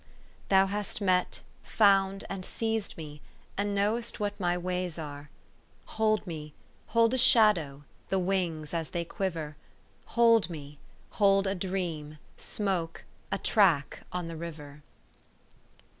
" Thou hast met, found, and seized me, and know'st what my ways are. Hold ME, hold a shadow, the wings as they quiver, Hold ME, hold a dream, smoke, a track on the river